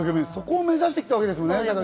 そこを目指してきたわけですもんね。